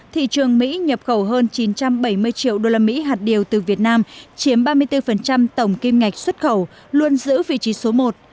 thị trường mỹ nhập khẩu hơn chín trăm bảy mươi triệu usd hạt điều từ việt nam chiếm ba mươi bốn tổng kim ngạch xuất khẩu luôn giữ vị trí số một